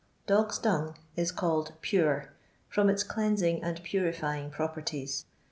Doos' dung is called "Pure," from its clennsing nnd purifying properties.